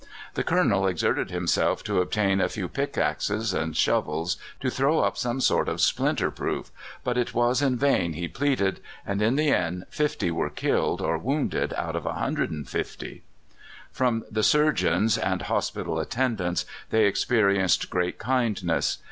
The Colonel exerted himself to obtain a few pickaxes and shovels to throw up some sort of splinter proof, but it was in vain he pleaded, and in the end fifty were killed or wounded out of 150. From the surgeons and hospital attendants they experienced great kindness.